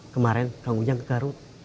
kemarin kang ujang ke garut